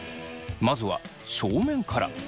まずは正面から。